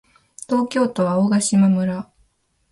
東京都青ヶ島村